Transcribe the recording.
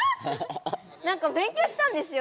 なんか勉強したんですよ。